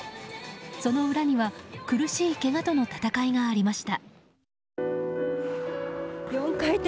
その裏には、苦しいけがとの戦いがありました。